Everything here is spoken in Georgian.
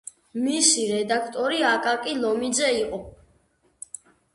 მისი რედაქტორი აკაკი ლომიძე იყო.